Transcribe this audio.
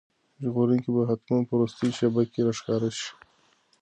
ژغورونکی به حتماً په وروستۍ شېبه کې راښکاره شي.